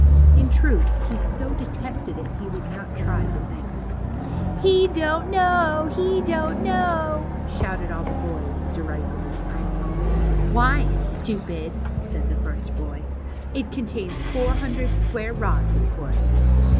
In truth, he so detested it he would not try to think. ''He don't know! He don't know!" shouted all the little boys, derisively. BEHIND THE WARDROBE. 59 ^^Why, stupid/' said tlie first boy, ^^it contains four hundred square rods, of course.